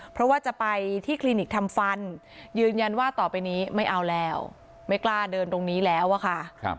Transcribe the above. เพราะว่าจะไปที่คลินิกทำฟันยืนยันว่าต่อไปนี้ไม่เอาแล้วไม่กล้าเดินตรงนี้แล้วอะค่ะ